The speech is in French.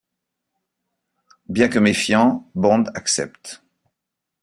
Bien que méfiant, Bond accepte.